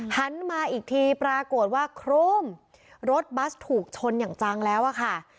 หันมาอีกทีปรากฏว่าโครมรถบัสถูกชนอย่างจังแล้วอะค่ะ